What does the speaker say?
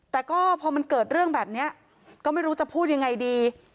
แต่ก็พอมันเกิดเรื่องแบบนี้ก็ไม่รู้จะพูดยังไงดี